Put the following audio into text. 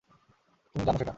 তুমি জানো সেটা।